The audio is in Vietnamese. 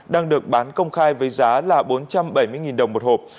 đang được bán công khai với giá là bốn trăm bảy mươi đồng một hộp